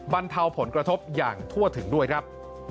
บรรเทาผลกระทบอย่างทั่วถึงด้วยครับ